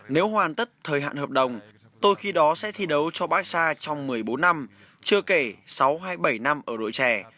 nếu hoàn tất thời hạn hợp đồng tôi khi đó sẽ thi đấu cho baxa trong một mươi bốn năm chưa kể sáu hay bảy năm ở đội trẻ